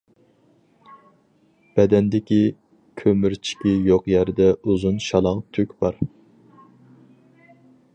بەدەندىكى كۆمۈرچىكى يوق يەردە ئۇزۇن شالاڭ تۈك بار.